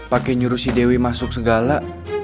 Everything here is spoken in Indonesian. pakai nyuruh si dewi masuk segala